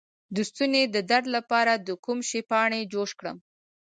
د ستوني د درد لپاره د کوم شي پاڼې جوش کړم؟